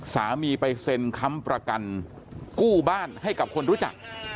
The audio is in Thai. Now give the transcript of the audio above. สามีไปเซ็นค้ำประกันกู้บ้านให้กับคนรู้จัก